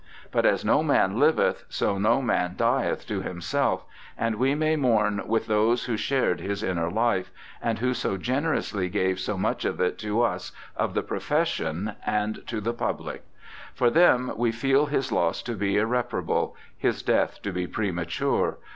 But as no man liveth, so no man dieth to himself, and we may mourn with those who shared his inner life, and who so generously gave so much of it to us of the profession and to the public. For them we feel his loss to be irreparable, his death to be premature.